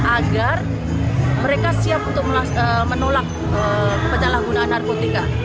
agar mereka siap untuk menolak penyalahgunaan narkotika